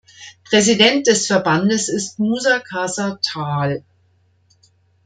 Präsident des Verbandes ist Musa Kasa Taal.